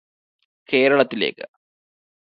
കേരളത്തിലേക്ക്